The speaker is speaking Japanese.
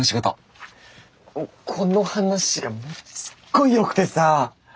この話がすっごいよくてさ。